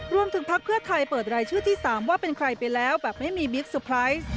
พักเพื่อไทยเปิดรายชื่อที่๓ว่าเป็นใครไปแล้วแบบไม่มีบิ๊กเซอร์ไพรส์